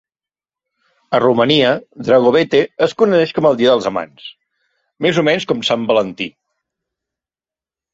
A Romania, Dragobete es coneix com el dia dels amants, més o menys com Sant Valentí.